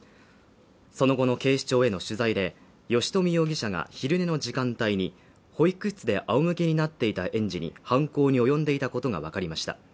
その後の警視庁への取材で吉冨容疑者が昼寝の時間帯に保育室で仰向けになっていた園児に犯行に及んでいたことがわかりました。